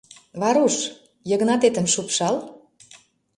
Варуш, Йыгнатетым шупшал!